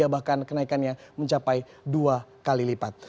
bahkan kenaikannya mencapai dua kali lipat